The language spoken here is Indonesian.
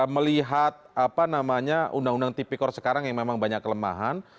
melihat undang undang tipikor sekarang yang memang banyak kelemahan